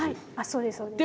そうですそうです。